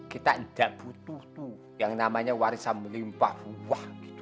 kita tidak butuh itu yang namanya warisan melimpah buah gitu